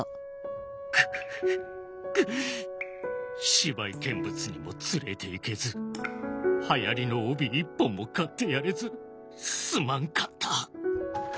芝居見物にも連れていけずはやりの帯一本も買ってやれずすまんかった。